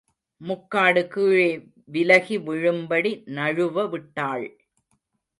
முக்காடு கீழே விலகி விழும்படி நழுவ விட்டாள்.